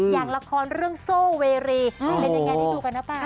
อย่างละครเรื่องโซเวรีเป็นอย่างไรที่ดูกันนะป๊า